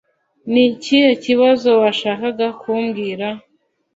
ni ikihe kibazo washakaga kumbwira